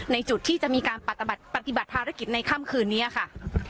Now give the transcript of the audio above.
ในจุดที่จะมีการปฏิบัติภารกิจในค่ำคืนนี้ค่ะ